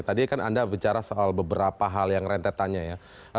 tadi kan anda bicara soal beberapa hal yang rentetannya ya